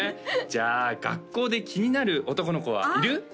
じゃあ学校で気になる男の子はいる？